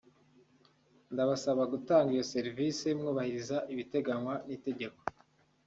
ndabasaba gutanga iyo serivisi mwubahiriza ibiteganywa n’itegeko